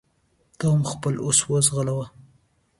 ته هم خپل اس وځغلوه.